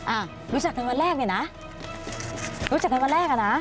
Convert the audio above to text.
อ่ะรู้จักกันวันแรกเนี่ยนะรู้จักกันวันแรกอ่ะนะ